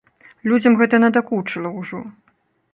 Людзям гэта надакучыла ўжо.